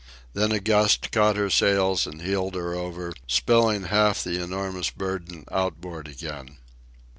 Then a gust caught her sails and heeled her over, spilling half the enormous burden outboard again.